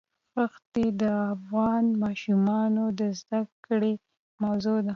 ښتې د افغان ماشومانو د زده کړې موضوع ده.